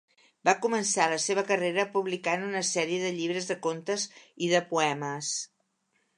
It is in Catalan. Va començar la seva carrera publicant una sèrie de llibres de contes i de poemes.